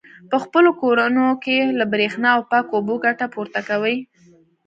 په خپلو کورونو کې له برېښنا او پاکو اوبو ګټه پورته کوي.